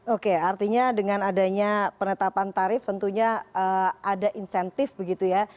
oke artinya dengan adanya penetapan tarif tentunya ada insentif begitu ya